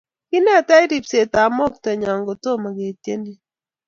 kinetech ribsetab mokto nyo kutomo ketyenie